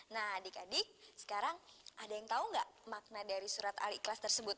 nah adik adik sekarang ada yang tahu nggak makna dari surat al ikhlas tersebut